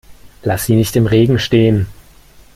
Lass sie nicht im Regen stehen!